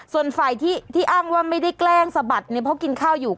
ส่วนฝ่ายที่อ้างว่าไม่ได้แกล้งสะบัดเนี่ยเพราะกินข้าวอยู่